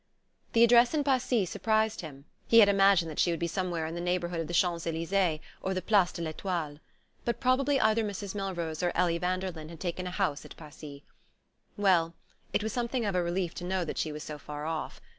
The address in Passy surprised him: he had imagined that she would be somewhere in the neighborhood of the Champs Elysees or the Place de l'Etoile. But probably either Mrs. Melrose or Ellie Vanderlyn had taken a house at Passy. Well it was something of a relief to know that she was so far off.